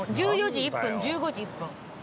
１４時１分１５時１分。